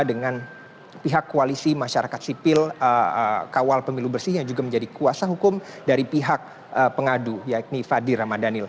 dengan pihak koalisi masyarakat sipil kawal pemilu bersih yang juga menjadi kuasa hukum dari pihak pengadu yakni fadi ramadhanil